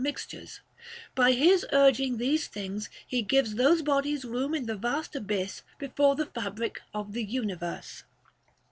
337 mixtures, — by his urging these things, he gives those bodies room in the vast abyss before the fabric of the universe.